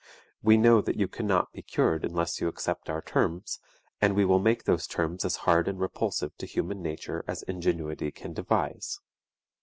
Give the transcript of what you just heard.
We know that you can not be cured unless you accept our terms, and we will make those terms as hard and repulsive to human nature as ingenuity can devise."